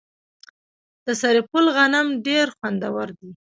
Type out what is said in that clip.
د سرپل غنم ډیر خوندور دي.